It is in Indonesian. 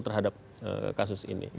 terhadap kasus ini